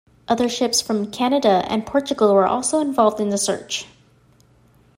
Other ships from Canada and Portugal were also involved in the search.